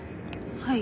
はい。